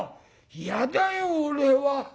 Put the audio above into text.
嫌だよ俺は。